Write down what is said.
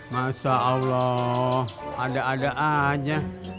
masya allah ada ada aja